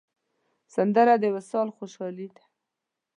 سندره د وصال خوشحالي ده